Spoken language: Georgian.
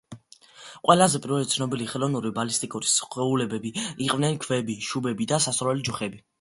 ყველაზე პირველი ცნობილი ხელოვნური ბალისტიკური სხეულები იყვნენ ქვები, შუბები და სასროლი ჯოხები.